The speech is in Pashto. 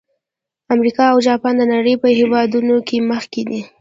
امریکا او جاپان د نړۍ په هېوادونو کې مخکې دي.